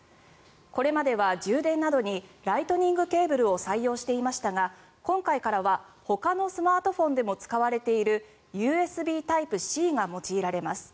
これまでは、充電などにライトニングケーブルを採用していましたが今回からは、ほかのスマートフォンでも使われているＵＳＢタイプＣが用いられます。